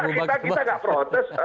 kita tidak protes